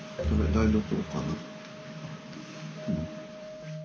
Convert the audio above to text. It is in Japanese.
台所かな？